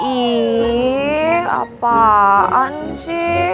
ih apaan sih